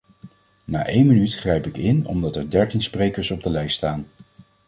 Na één minuut grijp ik in omdat er dertien sprekers op de lijst staan.